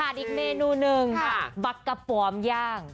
อีกเมนูหนึ่งบักกะปอมย่าง